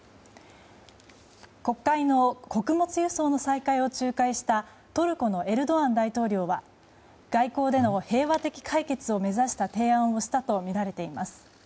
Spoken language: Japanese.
国会の穀物輸送の再開を仲介したトルコのエルドアン大統領は外交での平和的解決を目指した提案をしたとみられています。